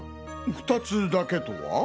２つだけとは？